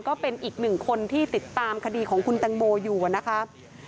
ก็เป็นอีกหนึ่งคนที่ติดตามคดีของคุณแตงโมอยู่นะคะ